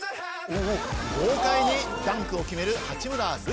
豪快にダンクを決める。